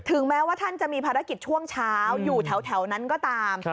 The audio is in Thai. แม้ว่าท่านจะมีภารกิจช่วงเช้าอยู่แถวนั้นก็ตาม